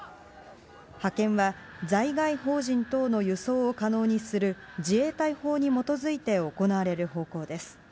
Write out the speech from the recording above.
派遣は在外邦人等の輸送を可能にする自衛隊法に基づいて行われる方向です。